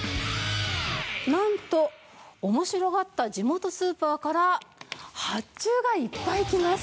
なんと面白がった地元スーパーから発注がいっぱい来ます！